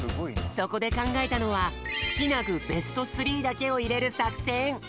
そこでかんがえたのはすきなぐベストスリーだけをいれるさくせん。